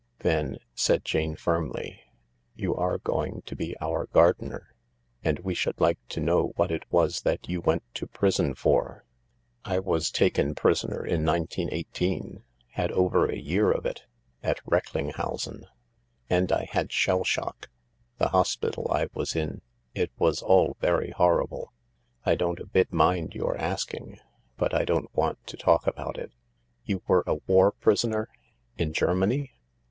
"Then," said Jane firmly, "you are going to be our gardener, and we should like to know what it was that you went to prison for." " I was taken prisoner in 1918 — had over a year of it. At Recklinghausen. And I had shell shock. The hospital I was in — it was all very horrible. I don't a bit mind your asking, but I don't want to talk about it." " You were a war prisoner ? In Germany